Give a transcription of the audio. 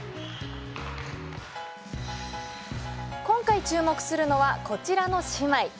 今回注目するのはこちらの姉妹。